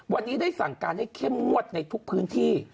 วันนี้ได้สั่งการให้เข้มงวดในทุกพื้นที่